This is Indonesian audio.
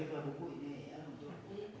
pada saat ini